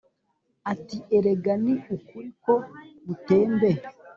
Ati: "Erega ni ukuri ko Mutembe!